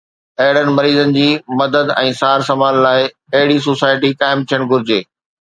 اهڙن مريضن جي مدد ۽ سار سنڀال لاءِ اهڙي سوسائٽي قائم ٿيڻ گهرجي